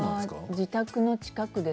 自宅の近くです。